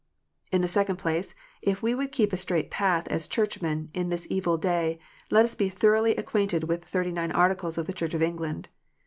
(2) In the second place, if we would keep a straight path, as Churchmen, in this evil day, let us be thoroughly acquainted with the Thirty nine Articles of the Church of England.